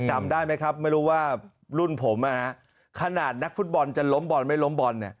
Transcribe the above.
จำได้ไหมครับไม่รู้ว่ารุ่นผมขนาดนักฟุตบอลจะล้มบอลไม่ล้มบอล